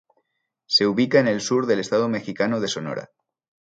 Se ubica en el sur del estado mexicano de Sonora.